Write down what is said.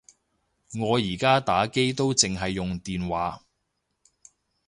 我而家打機都剩係用電話